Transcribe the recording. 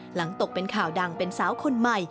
ตกเป็นข่าวดังเป็นสาวคนใหม่